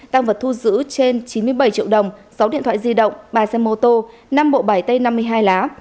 tăng vật thu giữ trên chín mươi bảy triệu đồng sáu điện thoại di động ba xe mô tô năm bộ bài tay năm mươi hai lá